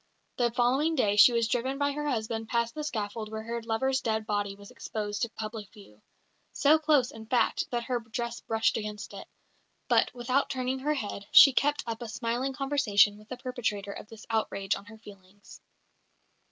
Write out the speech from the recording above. The following day she was driven by her husband past the scaffold where her lover's dead body was exposed to public view so close, in fact, that her dress brushed against it; but, without turning her head, she kept up a smiling conversation with the perpetrator of this outrage on her feelings.